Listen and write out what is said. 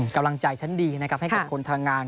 กำลังใจชั้นดีนะครับให้กับคนทางงาน